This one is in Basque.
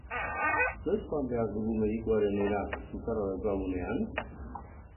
Noiz joan behar dugu medikuarenera sukarra daukagunean?